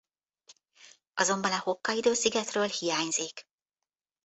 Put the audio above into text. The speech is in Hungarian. Azonban a Hokkaidó szigetről hiányzik.